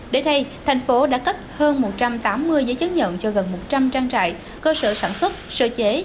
đến nay thành phố đã cấp hơn một trăm tám mươi giấy chứng nhận cho gần một trăm linh trang trại cơ sở sản xuất sơ chế